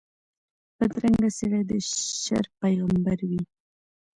بدرنګه سړی د شر پېغمبر وي